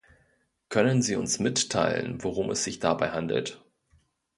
Können Sie uns mitteilen, worum es sich dabei handelt?